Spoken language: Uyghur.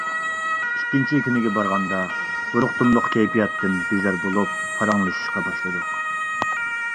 ئىككىنچى كۈنىگە بارغاندا، بۇرۇقتۇملۇق كەيپىياتتىن بىزار بولۇپ، پاراڭلىشىشقا باشلىدۇق.